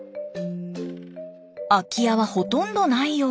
空き家はほとんどないよう。